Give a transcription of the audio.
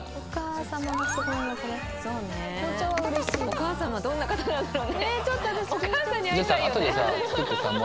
お母様どんな方なんだろうね？